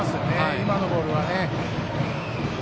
今のボールは。